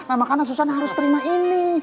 nah makanan susan harus terima ini